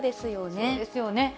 そうですよね。